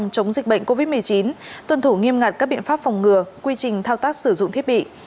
chống dịch bệnh covid một mươi chín tuân thủ nghiêm ngặt các biện pháp phòng ngừa quy trình thao tác sử dụng thiết bị